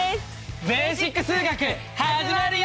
「ベーシック数学」始まるよ！